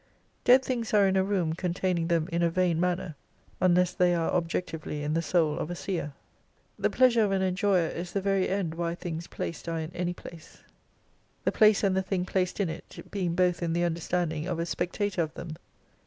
Dead things are in a room containing them in a vain manner ; unless they are objectively in the Soul of a seer. The pleasure of an en j oyer is the very end why things placed are in any place. The place and the thing placed in it, being both in the understanding of a spectator of them.